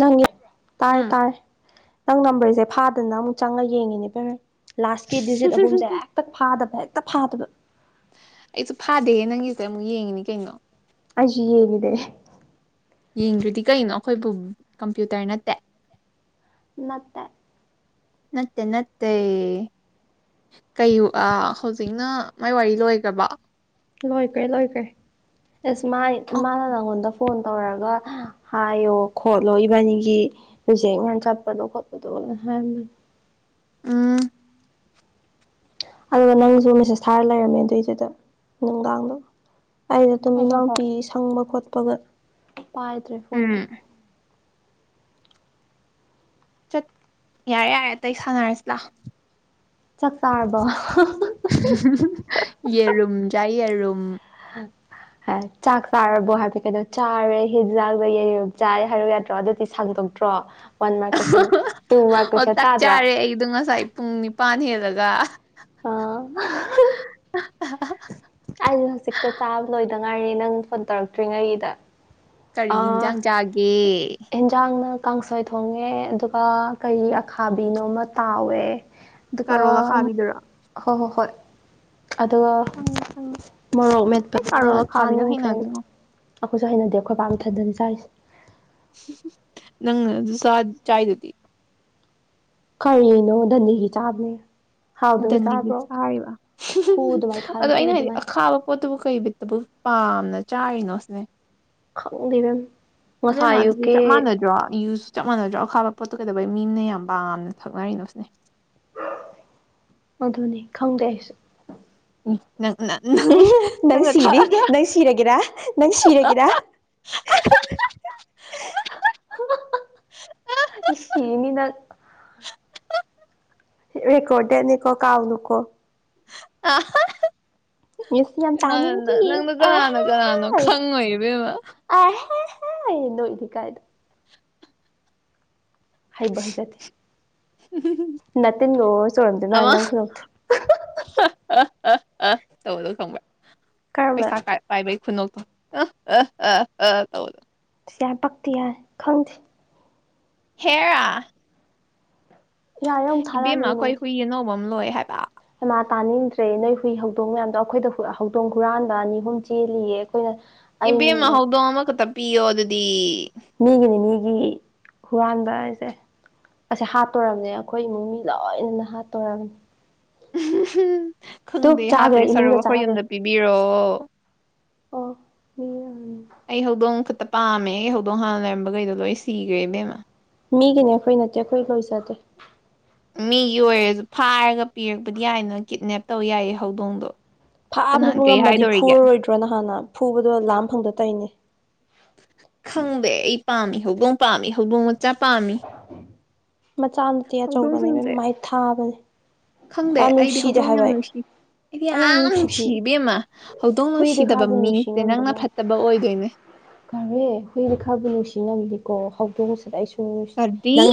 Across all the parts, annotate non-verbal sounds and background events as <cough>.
ꯅꯪ ꯇꯥꯔꯦ ꯎꯝ ꯇꯥꯔꯦ ꯅꯪ ꯅꯝꯕꯔꯖꯦ ꯐꯥꯗꯅ ꯑꯃꯨꯛ ꯆꯪꯉ ꯌꯦꯡꯉꯤꯅꯦ ꯕꯦꯝꯃ ꯂꯥꯁꯀꯤ ꯗꯤꯖꯤꯠ ꯑꯍꯨꯝꯁꯦ ꯍꯦꯛꯇ ꯐꯥꯗꯕ ꯍꯦꯛꯇ ꯐꯥꯗꯕ ꯑꯩꯁꯨ ꯐꯥꯗꯦ ꯅꯪꯒꯤꯖꯦ ꯑꯃꯨꯛ ꯌꯦꯡꯉꯤꯅꯤ ꯀꯩꯅꯣ ꯑꯩꯖꯨ ꯌꯦꯡꯉꯤꯅꯦ ꯌꯦꯡꯗ꯭ꯔꯗꯤ ꯀꯩꯅꯣ ꯑꯩꯈꯣꯏꯕꯨ ꯀꯝꯄ꯭ꯌꯨꯇꯔ ꯅꯠꯇꯦ ꯅꯠꯇꯦ ꯅꯠꯇꯦ ꯅꯠꯇꯦ ꯀꯩ ꯑꯥ ꯍꯧꯖꯤꯛꯅ ꯃꯥꯏ ꯋꯥꯔꯤ ꯂꯣꯏꯒ꯭ꯔꯥꯕꯣ ꯂꯣꯏꯒ꯭ꯔꯦ ꯂꯣꯏꯒ꯭ꯔꯦ ꯑꯦꯁ ꯃꯥ ꯑꯣ ꯃꯥꯅ ꯅꯉꯣꯟꯗ ꯐꯣꯟ ꯇꯧꯔꯒ ꯍꯥꯏꯌꯣ ꯈꯣꯠꯂꯣ ꯏꯕꯥꯅꯤꯒꯤ ꯔꯤꯖꯦꯛ ꯃꯌꯥꯝ ꯆꯠꯄꯗꯣ ꯈꯣꯠꯄꯗꯣ ꯍꯥꯏꯔꯝꯕꯅꯤ ꯎꯝ ꯑꯗꯨꯒ ꯅꯪꯖꯨ ꯃꯦꯁꯦꯁ ꯊꯥꯔ ꯂꯩꯔꯝꯃꯦ ꯑꯗꯨꯏꯗꯨꯗ ꯅꯨꯡꯗꯥꯡꯗꯣ ꯑꯩꯩꯅ ꯑꯗꯨꯝ ꯍꯣꯏ ꯍꯣꯏ ꯍꯣꯏ ꯏꯅꯥꯎꯄꯤ ꯁꯪꯕ ꯈꯣꯠꯄꯒ ꯄꯥꯏꯗ꯭ꯔꯦ ꯐꯣꯟꯗꯣ ꯎꯝ ꯆꯠ ꯌꯥꯔꯦ ꯌꯥꯔꯦ ꯑꯇꯩ ꯁꯥꯟꯅꯔꯁꯤ ꯂꯥ ꯆꯥꯛ ꯆꯥꯔꯕꯣ ꯌꯦꯔꯨꯝ ꯆꯥꯏ ꯌꯦꯔꯨꯝ <unintelligible> ꯍꯥꯏ ꯆꯥꯛ ꯆꯥꯔꯕꯣ ꯍꯥꯏꯕꯗꯤ ꯀꯩꯅꯣ ꯆꯥꯔꯦ ꯍꯤꯖꯥꯡꯅ ꯌꯦꯔꯨꯝ ꯆꯥꯏ ꯍꯥꯏ ꯌꯥꯗ꯭ꯔꯣ ꯑꯗꯨꯗꯤ ꯁꯥꯡꯗꯣꯛ ꯇ꯭ꯔꯣ ꯋꯥꯟ ꯃꯥꯔꯛ ꯀꯣꯏꯁꯟ ꯇꯨ ꯃꯥꯔꯛ ꯀꯣꯏꯁꯟ ꯇꯥꯗ꯭ꯔꯣ ꯑꯩꯒꯤꯗꯨ ꯉꯁꯥꯏ ꯄꯨꯡ ꯅꯤꯄꯥꯟ ꯍꯦꯜꯂꯒ ꯑꯥ <unintelligible> <unintelligible> ꯑꯩ ꯍꯧꯖꯤꯛꯇ ꯆꯥꯕ ꯂꯣꯏꯗ ꯉꯥꯏꯔꯤ ꯅꯪ ꯐꯣꯟ ꯇꯧꯔꯛꯇ꯭ꯔꯤꯉꯩꯒꯤꯗꯣ ꯀꯔꯤ ꯏꯟꯖꯥꯡ ꯆꯥꯒꯦ ꯑꯦꯟꯖꯥꯡꯅ ꯀꯥꯡꯁꯣꯏ ꯊꯣꯡꯉꯦ ꯑꯗꯨꯒ ꯀꯩ ꯑꯈꯥꯕꯤꯅꯣꯃ ꯇꯥꯎꯋꯦ ꯑꯗꯨꯒꯀ ꯀꯥꯔꯣꯜ ꯑꯈꯥꯕꯤꯗꯨꯔꯣ ꯍꯣꯏ ꯍꯣꯏ ꯍꯣꯏ ꯑꯗꯨꯒ ꯈꯪꯉꯤ ꯈꯪꯉꯤ ꯃꯣꯔꯣꯛ ꯑꯩ ꯃꯦꯠꯄꯗꯨꯅ ꯀꯥꯔꯣꯜ ꯑꯈꯥꯕꯤꯗꯣ ꯆꯥꯅꯤꯡꯗ꯭ꯔꯦꯅ ꯍꯩꯅꯗꯦꯉꯣ ꯑꯩꯈꯣꯏꯁꯨ ꯍꯩꯅꯗꯦ ꯑꯩꯈꯣꯏ ꯄꯥꯝꯊꯗ ꯆꯔꯤꯁꯦ ꯅꯪ ꯑꯗꯨꯁꯥ ꯆꯥꯗꯨꯗꯤ ꯀꯔꯤꯅꯣ ꯗꯟꯗꯤꯒꯤ ꯆꯥꯕꯅꯦ ꯍꯥꯎꯗꯅ ꯗꯟꯗꯤꯁ ꯆꯥꯕ꯭ꯔꯣ ꯆꯥꯔꯤꯕ ꯍꯨ ꯑꯗꯨꯃꯥꯏꯅ ꯈꯥꯏ ꯑꯗꯣ ꯍꯨ ꯑꯩꯅ ꯍꯥꯏꯗꯤ ꯑꯗꯨꯃꯥꯏꯅ ꯑꯈꯥꯕ ꯄꯣꯠꯇꯕꯨ ꯀꯩꯕꯤꯠꯇꯕꯨ ꯄꯥꯝꯅ ꯆꯥꯔꯤꯅꯣ ꯁꯤꯅꯦ ꯈꯪꯗꯕꯦꯝ ꯃꯥꯗꯤꯗꯤ ꯆꯞ ꯃꯥꯥꯟꯅꯖꯣ ꯌꯨ ꯆꯞ ꯃꯥꯟꯅꯗ꯭ꯔꯣ ꯑꯈꯥꯕ ꯄꯣꯠꯇꯣ ꯀꯩꯗꯧꯕꯩ ꯃꯤꯅ ꯌꯥꯝ ꯄꯥꯝꯅ ꯊꯛꯅꯔꯤꯅꯣ ꯁꯤꯅꯦ ꯑꯗꯨꯅꯤ ꯈꯪꯗꯦ ꯑꯩꯁꯨ ꯎꯪꯪ ꯅꯪꯅ ꯊꯑꯒ ꯁꯤꯔꯒꯦꯔ ꯅꯪ ꯁꯤꯔꯒꯦꯔ ꯁꯤꯅꯤꯅ ꯍꯀꯣꯗꯦꯟꯅꯤꯀꯣ ꯀꯥꯎ ꯅꯨꯀꯣ ꯑ ꯏꯁ ꯌꯥꯝ ꯀ ꯇꯥꯅꯤꯡꯗꯤꯌꯦ ꯅꯪꯅ ꯀꯅꯥꯅꯣ ꯀꯅꯥꯅꯣ ꯈꯪꯉꯣꯏ ꯏꯕꯦꯝꯃ ꯑ ꯅꯣꯣꯏꯗꯤ ꯀꯥꯏꯗꯣ ꯍꯩꯕ ꯍꯩꯖꯗꯦ ꯇꯤꯟꯒ ꯆꯧꯔꯝꯗꯣꯏꯃ ꯅꯪ ꯈꯨꯗꯨ ꯑ ꯑꯥ ꯑ ꯇꯗꯧ ꯈꯪꯕ꯭ꯔ ꯀꯔꯝꯕ ꯄꯩꯁꯥ ꯀꯥꯏ ꯄꯥꯏꯕꯩ ꯈꯨꯅꯣꯛꯇꯣ ꯑ ꯑ ꯑꯥ ꯑ ꯇꯧ ꯁ ꯌꯥꯝ ꯄꯛꯇꯤ ꯌꯥꯏ ꯈꯪꯗꯦ ꯈꯦꯔ ꯌꯥꯔꯦ ꯑꯃꯨꯛ ꯊꯥꯔꯛꯑꯅꯨ ꯏꯕꯦꯝꯃ ꯑꯩꯈꯣꯏ ꯍꯨꯏ ꯑꯅꯧꯕ ꯑꯃ ꯂꯣꯏ ꯍꯥꯏꯕ ꯃꯃꯥ ꯇꯥꯅꯤꯡꯗ꯭ꯔꯦ ꯅꯣꯏ ꯍꯨꯏ ꯍꯧꯗꯣꯡ ꯃꯌꯥꯝꯗꯣ ꯑꯩꯈꯣꯏꯗ ꯍꯧꯗꯣꯡ ꯍꯨꯔꯥꯟꯕ ꯑꯅꯤ ꯑꯍꯨꯝ ꯆꯦꯜꯂꯤꯌꯦ ꯑꯩꯈꯣꯏꯅ ꯏꯕꯦꯝ ꯑꯩꯅ ꯃꯍꯗꯣꯡ ꯑꯃꯈꯛꯇ ꯄꯤꯌꯣ ꯑꯗꯨꯗꯤ ꯃꯤꯒꯤ ꯅꯤꯅꯤꯒꯤ ꯍꯨꯔꯥꯟꯕ ꯍꯥꯏꯁꯦ ꯑꯁꯦ ꯍꯥꯠꯇꯣꯔꯔꯕꯅꯦ ꯑꯩꯈꯣꯏ ꯏꯃꯨꯡ ꯃꯤ ꯂꯣꯏꯅꯅ ꯍꯥꯠꯇꯣꯔꯝꯅꯦ ꯎ ꯇꯨ ꯈꯪꯗꯦ ꯆꯥꯈ꯭ꯔꯦ ꯍꯥꯠꯇꯦ ꯁꯔꯨ ꯏꯃꯨꯡꯗ ꯑꯩꯈꯣꯏ ꯆꯥꯈ꯭ꯔꯦ ꯌꯨꯝꯗ ꯄꯤ ꯍꯥꯏꯕꯤꯔꯛꯑꯣ ꯑꯣ ꯃꯤ ꯑꯩ ꯍꯧꯗꯣꯡ ꯈꯨꯛꯇ ꯄꯥꯝꯃꯦ ꯑꯩ ꯍꯧꯗꯣꯡ ꯍꯥꯟꯅ ꯂꯩꯔꯝꯕꯈꯩꯗꯣ ꯂꯣꯏ ꯁꯤꯈ꯭ꯔꯦ ꯏꯕꯦꯝꯃ ꯃꯤꯒꯤꯅꯦ ꯑꯩꯈꯣꯏ ꯅꯠꯇꯦ ꯑꯩꯈꯣꯏ ꯂꯣꯏꯖꯗꯦ ꯃꯤꯒꯤ ꯑꯣꯏꯔꯁꯨ ꯐꯥꯔꯒ ꯄꯤꯔꯛꯄꯗꯤ ꯌꯥꯏꯅ ꯀꯤꯠꯅꯦꯞ ꯇꯧ ꯌꯥꯏꯌꯦ ꯍꯧꯗꯣꯡꯗꯣ ꯐꯥꯕꯗꯨꯕꯨ ꯀꯅꯥꯟ ꯀꯩ ꯉꯝꯃꯗꯤ ꯍꯥꯏꯗꯣꯔꯤꯒꯦ ꯐꯨꯔꯔꯣꯏꯗ꯭ꯔꯣ ꯅ ꯍꯥꯟꯅ ꯐꯨꯕꯗꯣ ꯂꯥꯝ ꯐꯪꯗ ꯇꯧꯔꯤꯅꯦ ꯈꯪꯗꯦ ꯑꯩ ꯄꯥꯝꯃꯤ ꯍꯧꯗꯣꯡ ꯄꯥꯝꯃꯤ ꯍꯧꯗꯣꯡ ꯃꯆꯥ ꯄꯥꯝꯃꯤ ꯃꯆꯥ ꯅꯠꯇꯦ ꯑꯆꯧꯕꯅꯦꯕ ꯍꯧꯗꯣꯡꯁꯤꯡꯁꯦ ꯃꯥꯏ ꯊꯥꯕꯅꯦ ꯈꯪꯗꯦ ꯌꯥꯝ ꯑꯩꯗꯤ ꯅꯨꯡꯁꯤꯗꯦ ꯍꯧꯗꯣꯡ ꯍꯥꯏꯕ ꯌꯥꯝ ꯑꯩ ꯂꯣꯏꯁꯤ ꯑꯩꯗꯤ ꯑꯩ ꯌꯥꯝ ꯅꯨꯡꯁꯤꯗꯦ ꯅꯨꯡꯁꯤꯕꯤꯦꯝꯃ ꯍꯧꯗꯣꯡ ꯍꯨꯏꯗꯤ ꯅꯨꯡꯁꯤꯗꯕ ꯈꯔꯕꯨ ꯅꯨꯡꯁꯤ ꯃꯤꯁꯦ ꯅꯪꯅ ꯐꯠꯇꯕ ꯑꯣꯏꯗꯣꯏꯅꯦ ꯀꯔꯦ ꯍꯨꯏꯅ ꯈꯔꯕꯨ ꯅꯨꯡꯁꯤꯅꯕꯅꯤꯀꯣ ꯍꯧꯗꯣꯡꯁꯤꯗ ꯑꯩꯁꯨ ꯀꯔꯤ ꯅꯪ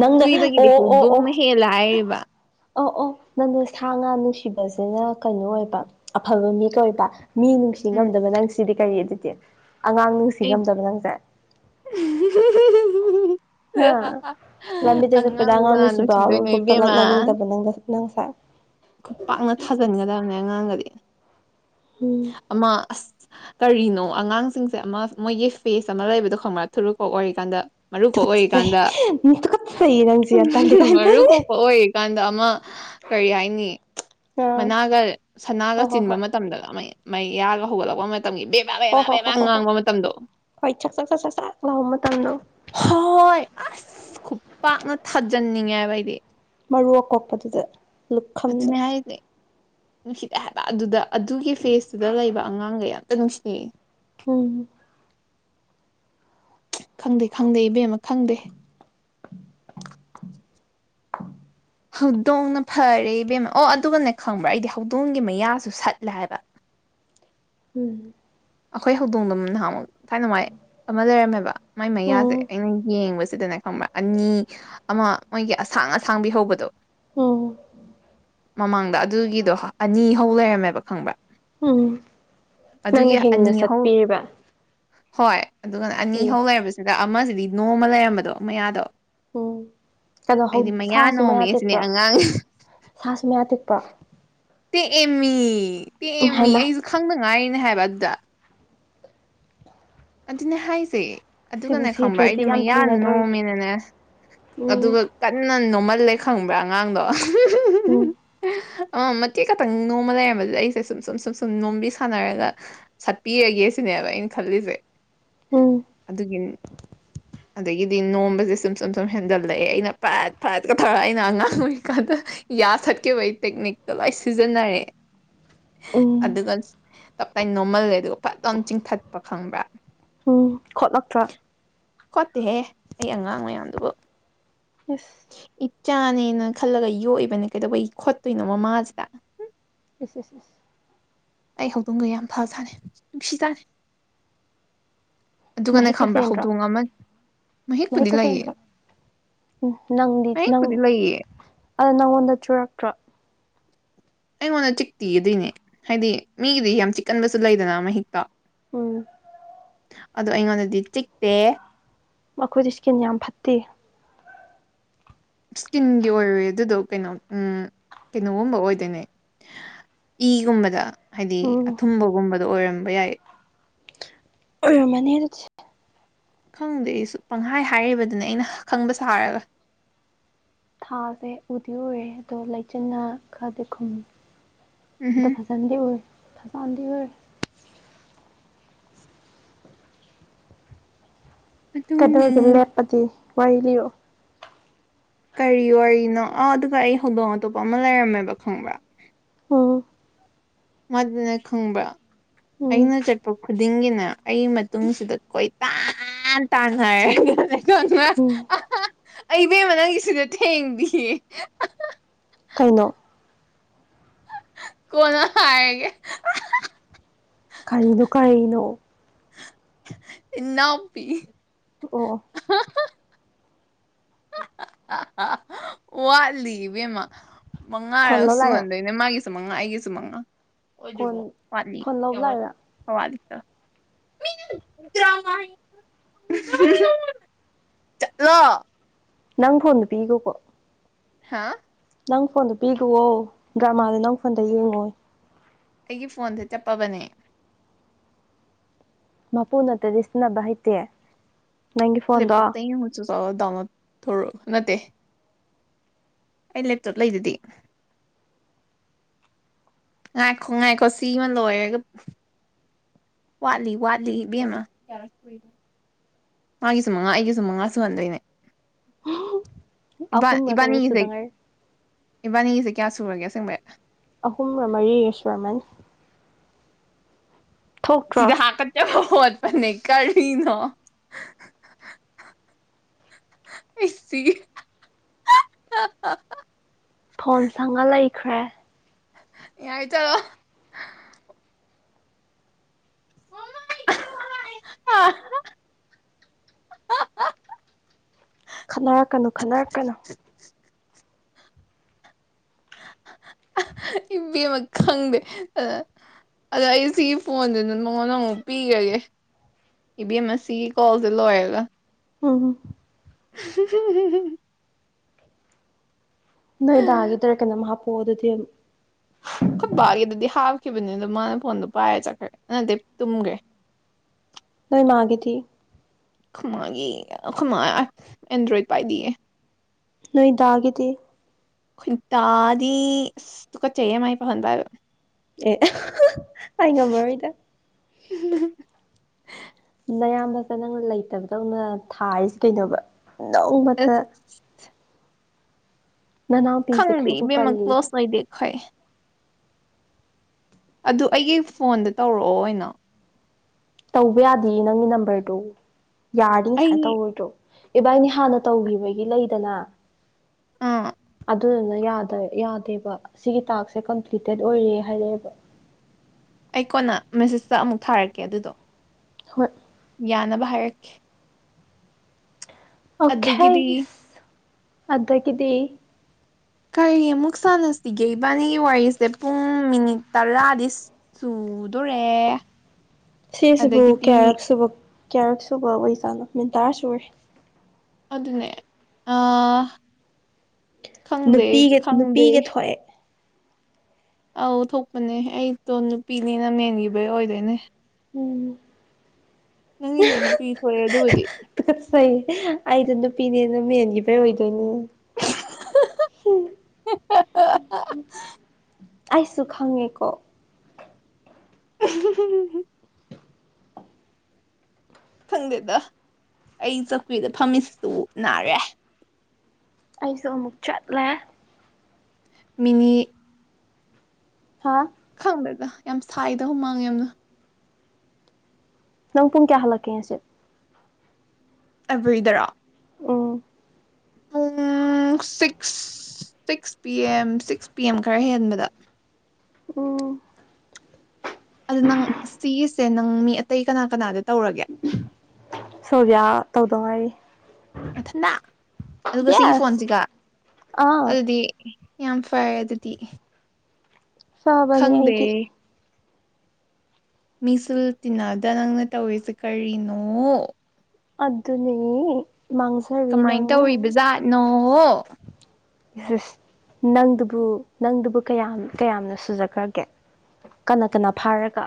ꯅꯪ ꯍꯨꯏꯗꯒꯤꯗꯤ ꯑꯣ ꯑꯣ ꯑꯣ ꯍꯧꯗꯣꯡꯅ ꯍꯦꯜꯂꯦ ꯍꯥꯏꯔꯤꯕ ꯑꯣ ꯑꯣ ꯅꯪꯅꯣ ꯁꯥ ꯉꯥ ꯅꯨꯡꯁꯤꯕꯁꯤꯅ ꯀꯩꯅꯣ ꯑꯣꯏꯕ ꯑꯐꯕ ꯃꯤ ꯀ ꯑꯣꯏꯕ ꯃꯤ ꯎꯝ ꯅꯨꯡꯁꯤꯉꯝꯗꯕ ꯅꯪ ꯁꯤꯗꯤ ꯀꯔꯤ ꯑꯗꯨꯗꯤ ꯑꯉꯥꯡ ꯑꯩ ꯅꯨꯡꯁꯤꯉꯝꯗꯕ ꯅꯪꯁꯦ ꯍꯥ <inaudible> ꯂꯝꯕꯤꯗ ꯆꯠꯄꯗ ꯑꯉꯥꯡꯕꯨ ꯑꯉꯥꯡ ꯀꯅꯥ ꯅꯨꯡꯁꯤꯕ ꯅꯨꯡꯁꯤꯗꯣꯏꯅꯣ ꯑꯃꯕꯨꯛ ꯏꯕꯦꯝꯃ ꯇꯂꯛꯅꯅꯤꯡꯗꯕ ꯅꯪꯗ ꯅꯪꯁꯦ ꯈꯨꯈꯠ ꯄꯥꯛꯅ ꯊꯥꯖꯤꯟꯒꯗꯕꯅꯦ ꯑꯉꯥꯡꯒꯗꯤ ꯎꯝ ꯃ ꯑ ꯀꯔꯤꯅꯣ ꯑꯉꯥꯡꯁꯤꯡꯁꯦ ꯑꯃ ꯃꯣꯏꯒꯤ ꯐꯦꯁ ꯑꯃ ꯂꯩꯕꯗꯣ ꯈꯪꯃ ꯊꯨꯔꯨꯀꯣ ꯑꯣꯏꯔꯤꯀꯥꯟꯗ ꯃꯔꯨꯀ ꯑꯣꯏꯔꯤꯀꯥꯟꯗ ꯁꯩꯔꯪ ꯎ ꯃꯔꯨ ꯀꯣꯛꯄ ꯑꯣꯏꯔꯤꯀꯥꯟꯗ ꯑꯃ ꯀꯔꯤ ꯍꯥꯏꯅꯤ ꯑꯥ ꯃꯅꯥꯒ ꯍꯣ ꯁꯅꯥꯒ ꯍꯣ ꯆꯤꯟꯕ ꯍꯣꯏ ꯃꯇꯝꯗ ꯃ ꯃꯩ ꯌꯥꯒ ꯍꯧꯒꯠꯂꯛꯄ ꯃꯇꯝꯒꯤ ꯕꯦꯛ ꯍꯣ ꯍꯣ ꯍꯣ ꯍꯣ ꯍꯣ ꯍꯣꯏ ꯏ ꯆꯁꯁ ꯂꯍ ꯇꯝꯅ ꯍꯣꯏ ꯑꯁ ꯈꯨꯄꯥꯛꯥꯛꯅ ꯊꯥꯖꯟꯅꯤꯡꯉꯦ ꯍꯥꯏꯕꯩꯗꯤ ꯃꯔꯨ ꯑꯀꯣꯛꯄꯗꯨꯗ ꯂꯨꯞꯈꯝꯗ ꯑꯗꯨꯅꯦ ꯍꯥꯏꯔꯤꯁꯦ ꯅꯨꯡꯁꯤꯗ ꯍꯥꯏꯕ ꯑꯗꯨꯗ ꯑꯗꯨꯒꯤ ꯐꯦꯁꯇꯨꯗ ꯂꯩꯕ ꯑꯉꯥꯡꯒꯌꯥ ꯇꯪꯃꯤꯁꯅꯤ ꯎꯝ ꯈꯪꯗꯦ ꯈꯪꯗꯦ ꯏꯕꯦꯝꯃ ꯈꯪꯗꯦ ꯍꯧꯗꯣꯡꯅ ꯐꯔꯦ ꯏꯕꯦꯝꯃ ꯑꯣ ꯑꯗꯨꯒꯅꯦ ꯈꯪꯕ꯭ꯔꯥ ꯑꯩꯗꯤ ꯍꯧꯗꯣꯡꯒꯤ ꯃꯌꯥꯁꯨ ꯁꯠꯂꯦ ꯍꯥꯏꯕ ꯎꯝ ꯑꯩꯈꯣꯏ ꯍꯧꯗꯣꯡꯗꯨꯝ ꯅꯍꯥꯟꯃꯒ ꯊꯥꯏꯅꯋꯥꯥꯏ ꯑꯃ ꯂꯩꯔꯝꯃꯦꯕ ꯃꯥꯏ ꯃꯌꯥꯁꯦ ꯎꯝ ꯑꯩꯅ ꯌꯦꯡꯕꯁꯤꯗꯅꯦ ꯈꯪꯕ꯭ꯔꯥ ꯑꯅꯤ ꯑꯃ ꯃꯣꯏꯒꯤ ꯑꯁꯥꯡ ꯑꯁꯥꯡꯕꯤ ꯍꯧꯕꯗꯣ ꯑꯣ ꯃꯃꯥꯡꯗ ꯑꯗꯨꯒꯤꯗꯣ ꯑꯅꯤ ꯍꯧ ꯂꯩꯔꯝꯃꯦꯕ ꯈꯪꯕ꯭ꯔꯥ ꯎꯝ ꯅ ꯑꯗꯨꯒꯤ ꯍꯦ ꯑꯅꯤ ꯍꯧ ꯍꯣꯏ ꯑꯗꯨꯒꯅ ꯑꯅꯤ ꯑꯦ ꯍꯧ ꯂꯩꯔꯕꯁ ꯁꯤꯗ ꯑꯃꯁꯤꯗꯤ ꯅꯣꯡꯃ ꯂꯩꯔꯝꯕꯗꯣ ꯃꯌꯥꯗꯣ ꯎꯝ ꯀꯩꯅꯣ ꯑꯩꯗꯤ ꯃꯌꯥ ꯁꯥꯁꯨ ꯅꯣꯝꯃꯦ ꯁꯤꯅꯦ ꯇꯦꯛꯄ꯭ꯔꯣ ꯑꯉꯥꯡ ꯁꯥꯁꯨ ꯃꯌꯥ ꯇꯤꯛꯄꯣ ꯇꯦꯛꯑꯦꯝꯃꯤ ꯎꯝ ꯇꯦꯛꯑꯦꯝꯃꯤ ꯍꯥꯏꯃ ꯑꯩꯁꯨ ꯈꯪꯅꯉꯥꯏꯔꯤꯅꯦ ꯍꯥꯏꯕ ꯑꯗꯨꯗ ꯑꯗꯨꯅꯦ ꯍꯥꯏꯁꯦ ꯁꯤꯕꯨ ꯑꯗꯨꯒꯅꯦ ꯈꯪꯕ ꯑꯩꯗꯤ ꯁꯤꯗ꯭ꯔꯗꯤ ꯌꯥꯝ ꯃꯌꯥ ꯊꯦꯡꯅꯗꯣꯔꯤ ꯅꯣꯝꯃꯦꯅꯅꯦ ꯎꯝ ꯑꯗꯨꯒ ꯀꯟꯅ ꯅꯣꯝꯃꯜꯂꯦ ꯈꯪꯕ꯭ꯔꯥ ꯑꯉꯥꯡꯗꯣ ꯎꯝ ꯑ ꯃꯇꯦꯛ ꯈꯛꯇꯪ ꯅꯣꯡꯃ ꯂꯩꯔꯝꯝꯕꯗꯤ ꯑꯩꯁꯦ ꯁꯨꯝ ꯁꯨꯝ ꯁꯨꯝ ꯁꯨꯝ ꯅꯣꯝꯕꯤ ꯁꯥꯟꯅꯔꯒ ꯁꯠꯄꯤꯔꯒꯦ ꯁꯤꯅꯦꯕ ꯑꯩꯅ ꯈꯜꯂꯤꯁꯦ ꯎꯝ ꯑꯗꯨꯒꯤ <inaudible> ꯑꯗꯒꯤꯗꯤ ꯅꯣꯝꯕꯁꯦ ꯁꯨꯝ ꯁꯨꯝ ꯁꯨꯝ ꯍꯦꯟꯗꯜꯂꯛꯑꯦ ꯑꯩꯅ ꯐꯥꯏꯠ ꯐꯥꯏꯠꯀ ꯊꯥꯔ ꯑꯩꯅ ꯑꯉꯥꯡ ꯑꯣꯏꯔꯤꯀꯥꯟꯗ ꯌꯥ ꯁꯠꯈꯤꯕꯒꯤ ꯇꯦꯛꯅꯤꯛꯇꯨ ꯂꯣꯏ ꯁꯤꯖꯤꯟꯅꯔꯦ ꯎꯝ ꯑꯗꯨꯒ ꯇꯞ ꯇꯅ ꯅꯣꯔꯃꯜꯒ ꯑꯗꯨꯒ ꯐꯖꯅ ꯆꯤꯡꯊꯠꯄ ꯈꯪꯕ꯭ꯔꯥ ꯎꯝ ꯈꯣꯠꯂꯛꯇ꯭ꯔꯥ ꯈꯣꯠꯇꯦꯍꯦ ꯑꯩ ꯑꯉꯥꯡ ꯃꯌꯥꯝꯗꯨꯕꯨ ꯏꯁꯁ ꯏꯆꯥꯅꯦꯅ ꯈꯜꯂꯒ ꯌꯣꯛꯏꯕꯅꯦ ꯀꯩꯗꯧꯕꯩꯒꯤ ꯈꯣꯠꯇꯣꯏꯅꯣ ꯃꯃꯥꯁꯤꯗ ꯑꯦ ꯑꯦꯁ ꯑꯦꯁ ꯑꯩ ꯍꯧꯗꯣꯡꯒ ꯌꯥꯝ ꯐ ꯁꯥꯥꯅꯅꯤ ꯅꯨꯡꯁꯤ ꯁꯥꯥꯅꯤ ꯑꯗꯨꯒꯅꯦ ꯃꯍꯤꯛꯀ ꯈꯪꯕ꯭ꯔꯥ ꯆꯦꯟꯗ꯭ꯔꯣ ꯍꯧꯗꯣꯡ ꯑꯃ ꯃꯍꯤꯛꯄꯨꯗꯤ ꯃꯍꯤꯛꯀ ꯂꯩꯌꯦ ꯆꯦꯟꯗ꯭ꯔꯣ ꯎꯝ ꯅꯪꯗꯤ ꯅꯪ ꯃꯍꯤꯛꯄꯨꯗꯤ ꯂꯩꯌꯦ ꯑꯗꯣ ꯅꯪꯉꯣꯟꯗ ꯆꯨꯔꯛꯇ꯭ꯔꯣ ꯑꯩꯉꯣꯟꯗ ꯆꯤꯛꯇꯤꯒꯗꯣꯏꯅꯦ ꯍꯥꯏꯗꯤ ꯃꯤꯒꯤꯗꯤ ꯌꯥꯝ ꯆꯤꯛꯀꯟꯕꯁꯨ ꯂꯩꯗꯅ ꯃꯍꯤꯛꯇ ꯎꯝ ꯑꯗꯣ ꯑꯩꯉꯣꯟꯗꯗꯤ ꯆꯤꯛꯇꯦ ꯃꯈꯣꯏꯗꯤ ꯏꯁ꯭ꯀꯤꯟ ꯌꯥꯝ ꯐꯠꯇꯦ ꯁꯀꯤꯟꯒꯤ ꯑꯣꯏꯔꯣꯏꯦ ꯑꯗꯨꯗꯣ ꯀꯩꯅꯣ ꯎꯝ ꯀꯩꯅꯣꯒꯨꯝꯕ ꯑꯣꯏꯗꯣꯏꯅꯦ ꯏꯒꯨꯝꯕꯗ ꯍꯥꯏꯗꯤ ꯎꯝ ꯑꯊꯨꯝꯕꯒꯨꯝꯕꯗ ꯑꯣꯏꯔꯝꯕ ꯌꯥꯏ ꯎ ꯃ ꯈꯪꯗꯦ ꯑꯩꯁꯨ ꯄꯪꯍꯥꯏ ꯍꯥꯏꯔꯤꯕꯗꯨꯅꯦ ꯑꯩꯅ ꯈꯪꯕ ꯁꯥꯔꯒ ꯊꯥꯁꯦ ꯎꯗꯤꯔꯨꯔꯦ ꯑꯗꯣ ꯂꯩꯆꯤꯟꯅ ꯈꯔꯗꯤ ꯈꯨꯝ ꯑꯗꯣ ꯎꯝꯍꯨꯝ ꯐꯖ ꯐꯖꯗ ꯑꯣꯏꯔ ꯐꯁꯥꯟꯗ ꯑꯣꯏꯔ ꯑꯗꯨꯅꯤ ꯀꯗꯧꯒꯂꯦꯠ ꯄꯗꯤ ꯋꯥꯏꯂꯤꯑꯣꯣ ꯀꯔꯤ ꯋꯥꯔꯤꯅꯣ ꯑ ꯑꯗꯨꯒ ꯑꯩ ꯍꯧꯗꯣꯡ ꯑꯇꯣꯞꯄ ꯑꯃ ꯂꯩꯔꯝꯃꯦꯕ ꯈꯪꯕ꯭ꯔꯥ ꯎꯝ ꯃꯗꯨꯅ ꯈꯪꯕ꯭ꯔ ꯎꯝ ꯑꯩꯅ ꯆꯠꯄ ꯈꯨꯗꯤꯡꯒꯤꯅꯦ ꯑꯩ ꯃꯇꯨꯡꯁꯤꯗ ꯀꯣꯏꯇꯥꯟ ꯇꯥꯟꯅꯔꯦ ꯅꯪ ꯑ ꯎꯝ ꯑꯩꯕꯦꯝꯃ ꯅꯪꯒꯤ ꯁꯤꯗ ꯊꯦꯡꯕꯤꯌꯦ ꯀꯩꯅꯣ ꯀꯅ ꯍꯥꯏꯑꯒꯦ ꯀꯔꯤꯗꯨꯣ ꯀꯩꯅꯣ ꯏꯅꯥꯄꯤ ꯑꯣ ꯋꯥꯠꯂꯤ ꯏꯕꯦꯝꯃ ꯐꯣꯟ ꯃꯉꯥꯔꯛ ꯂꯧ ꯁꯨ ꯂꯥꯛꯏꯔꯥ ꯍꯟꯗꯣꯏ ꯃꯥꯒꯤꯁꯨ ꯃꯉꯥ ꯑꯩꯒꯤꯁꯨ ꯃꯉꯥ ꯐꯣꯟ ꯐꯣꯟ ꯂꯧ ꯂꯥꯛꯏꯔꯥ ꯂ ꯅꯪ ꯐꯣꯟꯗꯨ ꯄꯤꯒꯣꯀꯣ ꯍꯥꯥ ꯅꯪ ꯐꯣꯟꯗꯣ ꯄꯤꯈꯣ ꯗ꯭ꯔꯃꯥꯗ ꯅꯪ ꯐꯣꯟꯗ ꯌꯦꯡꯉꯣꯏ ꯑꯩꯒꯤ ꯐꯣꯟꯁꯦ ꯆꯠꯄꯕꯅꯦ ꯃꯄꯨꯅꯠꯇꯗꯤ ꯁꯤꯖꯤꯟꯅꯕ ꯍꯩꯇꯦ ꯅꯪꯒꯤ ꯐꯣꯟꯗꯣ ꯂꯦꯞꯇꯣꯞꯇ ꯍꯁꯨ ꯆꯂꯗꯥ ꯊꯧꯔꯣ ꯅꯠꯇꯦ ꯑꯩ ꯂꯦꯞꯇꯣꯞ ꯂꯩꯗꯗꯤ ꯉꯥꯏꯈꯣ ꯉꯥꯏꯈꯣ ꯁꯤꯃ ꯂꯣꯏꯔꯒ ꯋꯥꯠꯂꯤ ꯋꯥꯠꯂꯤ ꯃ ꯃꯥꯒꯤꯁꯨ ꯃꯉꯥ ꯑꯩꯒꯤꯁꯨ ꯃꯉꯥ ꯁꯨꯍꯟꯗꯣꯏꯅꯦ ꯑꯍꯨꯝꯔ ꯀꯩꯅꯣꯝ ꯏꯕꯥꯅꯤꯁꯦ ꯁꯨꯗ ꯉꯥꯏꯔꯤ ꯏꯕꯥꯅꯤꯁꯦ ꯀꯌꯥ ꯁꯨꯔꯒꯦ ꯑꯁꯦꯡꯕ ꯑꯍꯨꯝꯃꯔꯤꯁꯣꯔꯔꯃꯦꯟ ꯊꯣꯛꯇ꯭ꯔꯣ ꯁꯤꯗ ꯍꯥꯀꯠꯆꯕ ꯈꯣꯠꯄꯅꯦ ꯀꯔꯤꯅꯣ ꯏꯁ ꯐꯣꯟ ꯁꯪꯉ ꯂꯩꯈ꯭ꯔꯦ ꯌꯦꯏꯇꯔꯣ <inaudible> ꯈꯠꯅꯔꯛꯀꯅꯨ ꯈꯠꯅꯔꯛꯀꯅꯨ <unintelligible> ꯏꯕꯤꯃꯛ ꯈꯪꯗꯦ ꯑ ꯑꯗꯣ ꯑꯩ ꯁꯤꯒꯤ ꯐꯣꯟꯗꯨꯅ ꯅꯉꯣꯟꯗ ꯑꯃꯨꯛ ꯄꯤꯈ꯭ꯔꯒꯦ ꯏ ꯕꯤ ꯑꯦꯝ ꯑꯦꯁ ꯁꯤꯒꯤ ꯀꯣꯜꯁꯦ ꯂꯣꯏꯔꯒ ꯎꯝ ꯍ ꯅꯣꯏ ꯗꯥꯒꯤꯗꯔ ꯀꯩꯅꯣꯝ ꯍꯥꯞꯄꯛꯑꯣ ꯑꯗꯨꯗꯤ ꯈꯨꯠꯕꯥꯒꯤ ꯑꯗꯨꯗꯤ ꯍꯥꯞꯈꯤꯕꯅꯤ ꯑ ꯑꯗꯨꯣ ꯃꯥꯅ ꯐꯣꯟꯗꯣ ꯄꯥꯏꯔ ꯆꯠꯈ꯭ꯔꯦ ꯑꯗꯨꯅꯗꯤ ꯇꯨꯝꯒ꯭ꯔꯦ ꯅꯣꯏ ꯃꯥꯒꯤꯗꯤ ꯈꯨꯃꯥꯒꯤ ꯈꯨꯃꯥ ꯑꯦꯟꯗ꯭ꯔꯣꯏꯗ ꯄꯥꯏꯗꯤꯌꯦ ꯅꯣꯏꯗꯥꯒꯤꯗꯤ ꯈꯨꯟꯇꯥꯗꯤ ꯇꯨ ꯀꯠ ꯆꯩ ꯑꯃꯥꯏ ꯐꯪꯍꯟꯕ ꯍꯥꯏꯕ ꯑꯦ ꯑꯩ ꯉꯝꯃꯔꯣꯏꯗ ꯎꯝ ꯅꯌꯥꯝꯕꯛꯇ ꯅꯪꯅ ꯂꯩꯇꯕꯗꯧꯅ ꯊꯥꯔꯤꯁꯤꯦ ꯀꯩꯅꯣꯕ ꯅꯣꯡꯃꯇ ꯑꯁ ꯅꯅꯥꯎꯄꯤꯁꯦ ꯈꯪꯗꯦ ꯈꯔꯕꯨ ꯕꯦꯝꯃꯛ ꯄꯜꯂꯤ ꯀ꯭ꯂꯣꯁ ꯑꯣꯏꯗꯦ ꯑꯩꯈꯣꯏ ꯑꯗꯨ ꯑꯩꯒꯤ ꯐꯣꯟꯗ ꯇꯧꯔꯛꯑꯣ ꯑꯣꯏꯅꯣ ꯇꯧꯕ ꯌꯥꯗꯦ ꯅꯪꯒꯤ ꯅꯝꯕꯔꯗꯨꯣ ꯌꯥꯔꯗꯤ ꯑꯩ ꯉꯃꯥꯏꯅ ꯇꯧꯔꯣꯏꯗ꯭ꯔꯣ ꯏꯕꯥꯏꯅꯤ ꯍꯥꯟꯅ ꯇꯧꯈꯤꯕꯒꯤ ꯂꯩꯗꯅ ꯑ ꯑꯗꯨꯗꯨꯅ ꯌꯥꯗꯦꯕ ꯁꯤꯒꯤ ꯇꯥꯛꯁꯦ ꯀꯝꯄ꯭ꯂꯤꯇꯦꯠ ꯑꯣꯏꯔꯦ ꯍꯥꯏꯔꯛꯑꯦꯕ ꯑꯩ ꯀꯣꯟꯅ ꯃꯦꯁꯦꯁꯇ ꯑꯃꯨꯛ ꯊꯥꯔꯛꯀꯦ ꯑꯗꯨꯗꯣ ꯍꯣꯏ ꯌꯥꯅꯕ ꯍꯥꯏꯔꯛꯈꯤ ꯑꯣꯈ ꯑꯗꯒꯤꯗꯤ ꯑꯩꯁ ꯑꯗ ꯀꯗꯤ ꯀꯔꯤ ꯑꯃꯨꯛ ꯁꯥꯟꯅꯁꯤꯒꯦ ꯏꯕꯥꯅꯤꯒꯤ ꯋꯥꯔꯤꯁꯦ ꯄꯨꯡ ꯃꯤꯅꯤꯠ ꯇꯔꯥꯗꯤ ꯆꯨꯗꯣꯔꯦ ꯁꯤꯁꯤꯕꯨ ꯀꯌꯥꯔꯛꯁꯨꯕ ꯀꯌꯥꯔꯛꯁꯨꯨꯕ ꯑꯣꯏꯖꯥꯠꯅꯣ ꯃꯤꯟꯇꯥꯔꯁꯨ ꯑꯣꯏ ꯑꯗꯨꯅꯦ ꯑ ꯈꯪꯗꯦ ꯅꯨꯄꯤꯒ ꯈꯪꯗꯦ ꯅꯨꯄꯤꯒ ꯊꯣꯛꯑꯦ ꯑꯧ ꯊꯣꯛꯄꯅꯦ ꯑꯩꯇꯣ ꯅꯨꯄꯤꯅꯤꯅ ꯃꯦꯟꯈꯤꯕꯩ ꯑꯣꯏꯗꯣꯏꯅꯦ ꯎꯝ ꯅꯪꯒꯤꯁꯨ ꯅꯨꯄꯤ ꯊꯣꯛꯑꯦ ꯑꯗꯨꯕꯨꯗꯤ ꯀꯠꯆꯩ ꯑꯩꯗ ꯅꯨꯄꯤꯅꯦꯅ ꯃꯦꯟꯒꯤꯕꯩ ꯑꯣꯏꯗꯣꯏꯅꯦ ꯍꯦꯡ ꯑꯩꯁꯨ ꯈꯪꯉꯦꯀꯣ <unintelligible> ꯐꯪꯗꯦꯗ ꯑꯩ ꯆꯧꯀ꯭ꯔꯤꯗ ꯐꯝꯃꯤꯁꯤꯇ ꯅꯥꯔꯦ ꯑꯩꯁꯨ ꯑꯃꯨꯛ ꯆꯠꯂꯦ ꯃꯤꯅꯤ ꯍꯥꯥ ꯈꯪꯗꯗ ꯌꯥꯝ ꯁꯥꯏꯗ ꯍꯨ ꯃꯥꯡꯉꯦ ꯌꯥꯝꯅ ꯅꯪ ꯄꯨꯡ ꯀꯌꯥ ꯍꯜꯂꯛꯀꯦ ꯁꯤꯦ ꯑꯦꯕ꯭ꯔꯤꯗꯔꯥ ꯎꯝ ꯄꯨꯡ six six P M six P M ꯈꯔ ꯍꯦꯟꯕꯗ ꯎꯝ ꯑꯗꯨꯗ ꯅꯪ ꯁꯤꯒꯤꯁꯦ ꯅꯪ ꯃꯤ ꯑꯇꯩ ꯀꯅꯥ ꯀꯅꯥꯗ ꯇꯧꯔꯒꯦ ꯁꯣꯚꯤꯌꯥ ꯇꯧꯗꯧꯉꯔꯤ ꯃꯊꯟꯇ ꯑꯗꯨꯒ ꯁꯤꯒꯤ ꯌꯦꯁ ꯐꯣꯟꯁꯤꯒ ꯑꯥ ꯑꯗꯨꯗꯤ ꯌꯥꯝ ꯐꯩ ꯑꯗꯨꯗꯤ ꯆꯕꯅꯤ ꯈꯪꯗꯦ ꯍꯥꯏꯥꯏꯗꯤ ꯃꯤꯁꯨ ꯇꯤꯟꯅꯗ ꯅꯪꯅ ꯇꯧꯔꯤꯁꯦ ꯀꯔꯤꯅꯣ ꯑꯗꯨꯅꯦ ꯃꯥꯡꯁ ꯀꯃꯥꯏꯅ ꯇꯧꯔꯤꯕ ꯖꯥꯠꯅꯣ ꯌꯦꯁ ꯑꯦꯁ ꯅꯪꯗꯨꯕꯨ ꯅꯪꯗꯨꯕꯨ ꯀꯌꯥꯝ ꯀꯌꯥꯝꯅ ꯁꯨꯖꯈ꯭ꯔꯒꯦ ꯀꯅꯥ ꯀꯟꯅ ꯐꯥꯔꯒ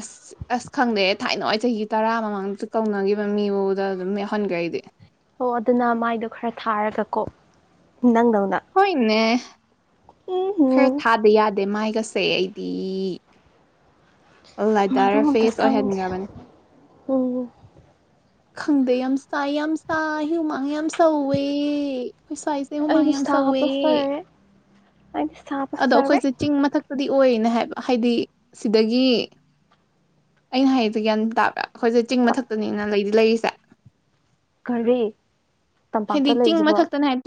ꯑꯁ ꯑꯁ ꯈꯪꯗꯦ ꯊꯥꯏꯅ ꯆꯍꯤ ꯇꯔꯥ ꯃꯃꯥꯡꯗꯁꯨ ꯀꯧꯅꯈꯤꯕ ꯃꯤꯕꯨꯗ ꯑꯗꯨꯝ ꯌꯥꯎꯍꯟꯈ꯭ꯔꯦ ꯑꯩꯗꯤ ꯑꯣ ꯑꯗꯨꯅ ꯃꯥꯏꯗꯣ ꯈꯔ ꯊꯥꯔꯒꯀꯣ ꯅꯪꯗꯧꯅ ꯍꯣꯏꯅꯦ ꯎꯝ ꯈꯔ ꯎꯝ ꯊꯥꯗ ꯌꯥꯗꯦ ꯃꯥꯏꯒꯁ ꯁꯦ ꯑꯩꯗꯤ ꯂꯥꯏꯇꯔ ꯐꯦꯁ ꯑꯣꯏꯍꯟꯈ꯭ꯔꯕꯅꯦ ꯑ ꯈꯪꯗꯦ ꯌꯥꯝ ꯆꯥꯏ ꯌꯥꯝ ꯆꯥꯏ ꯍꯨꯃꯥꯡ ꯌꯥꯝ ꯁꯧꯋꯦ ꯑꯩꯈꯣꯏ ꯁ꯭ꯋꯥꯏ ꯍ ꯑꯩꯗꯤ ꯃꯌꯥꯝ ꯁꯧꯋꯦ ꯑ ꯁꯥ ꯑꯗꯣ ꯑꯩꯈꯣꯏꯁꯦ ꯆꯤꯡ ꯃꯊꯛꯇꯗꯤ ꯑꯣꯏꯌꯦꯅꯦ ꯍꯥꯏꯕ ꯍꯥꯏꯗꯤ ꯁꯤꯗꯒꯤ ꯑꯩꯅ ꯍꯌꯦꯡꯁꯦ ꯒ꯭ꯌꯥꯟ ꯇꯥꯕ ꯑꯩꯈꯣꯏꯁꯦ ꯆꯤꯡ ꯃꯊꯛꯇꯅꯤꯅ ꯂꯩꯗꯤ ꯂꯩꯔꯤꯁꯦ ꯀꯔꯤ ꯇꯝꯄꯥꯛꯇ ꯍꯥꯏꯗꯤ ꯆꯤꯡ ꯂꯩꯔꯤꯁꯤꯕꯣ ꯃꯊꯛꯇꯅ ꯍꯥꯏ